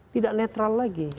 tidak netral lagi